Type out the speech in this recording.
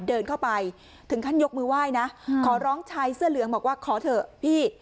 เดินเข้าไปถึงขั้นยกมือไหว้นะขอร้องชายเสื้อเหลืองบอกว่าขอเถอะพี่